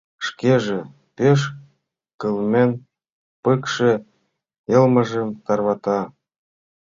Шкеже пеш кылмен, пыкше йылмыжым тарвата.